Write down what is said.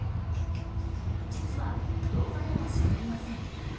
実は動画ではしゃべりません。